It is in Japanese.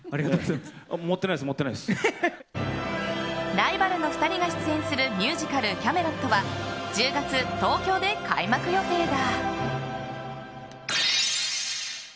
ライバルの２人が出演するミュージカル「キャメロット」は１０月、東京で開幕予定だ。